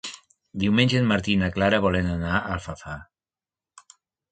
Diumenge en Martí i na Clara volen anar a Alfafar.